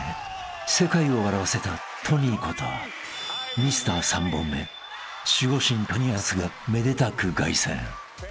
［世界を笑わせたトニーことミスター３本目守護神とに安がめでたく凱旋］